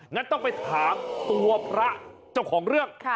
งั้นต้องไปถามตัวพระเจ้าของเรื่อง